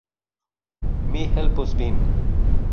Mi helpos vin